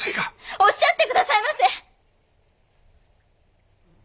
おっしゃって下さいませ！